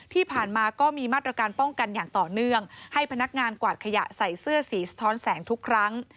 ที่ผ่านมาก็มีมาตรการป้องกันอย่างต่อเนื่องให้พนักงานกวาดขยะใส่เสื้อสีสะท้อนแสงทุกครั้ง